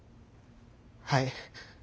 はい。